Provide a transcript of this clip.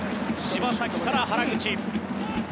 柴崎から原口。